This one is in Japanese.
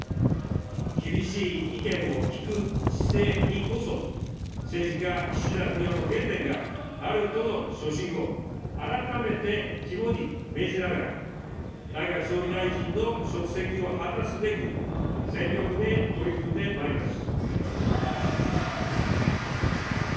厳しい意見を聞く姿勢にこそ、政治家、岸田文雄の原点があるとの初心を改めて肝に銘じながら、内閣総理大臣の職責を果たすべく、全力で取り組んでまいります。